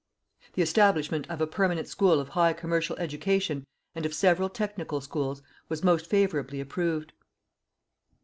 The establishment of a permanent school of high commercial education and of several technical schools was most favourably approved.